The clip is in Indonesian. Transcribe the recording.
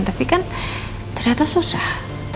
tapi kan ternyata susah